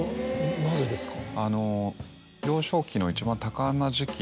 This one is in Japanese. なぜですか？